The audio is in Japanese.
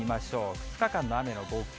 ２日間の雨の合計。